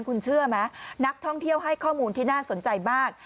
คุณเชื่อไหมนักท่องเที่ยวให้ข้อมูลที่น่าสนใจมาก